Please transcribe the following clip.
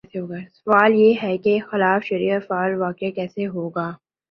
سوال یہ ہے کہ ایک خلاف شریعت فعل واقع کیسے ہوگا؟